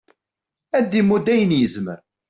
ad d-imudd ayen yezmer